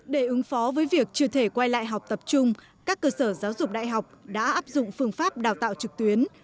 để ứng phó với việc chưa thể quay lại học tập trung các cơ sở giáo dục đại học đã áp dụng phương pháp đào tạo trực tuyến